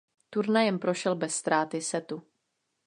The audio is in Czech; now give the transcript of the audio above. Turnajem prošel bez ztráty setu.